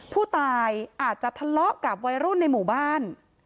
ผู้ตายอาจจะทะเลาะกับวัยรุ่นในหมู่บ้าน